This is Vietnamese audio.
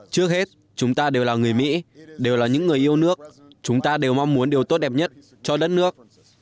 trước hết chúng ta đều là người mỹ đều là những người yêu nước chúng ta đều mong muốn điều tốt đẹp nhất cho đất nước